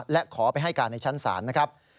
และขอไปให้การในชั้นศาลนะครับ